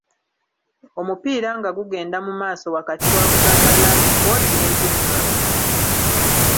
Omupiira nga gugenda mu maaso wakati wa Buganda Land Board ne UNRA.